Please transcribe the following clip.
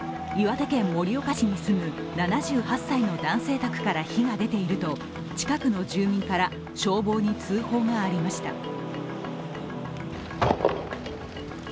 岩手県盛岡市に住む７８歳の男性宅から火が出ていると近くの住民から消防に通報がありました。